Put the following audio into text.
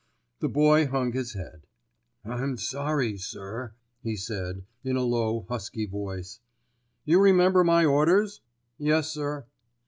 The Boy hung his head. "I'm sorry, sir," he said, in a low, husky voice. "You remember my orders?" "Yes, sir."